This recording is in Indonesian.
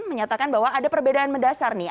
menyatakan bahwa ada perbedaan mendasar nih